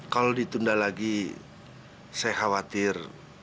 kalau ditunda lagi saya khawatir